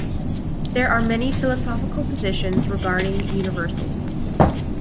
There are many philosophical positions regarding universals.